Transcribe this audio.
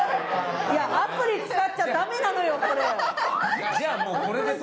いやアプリ使っちゃダメなのよこれ。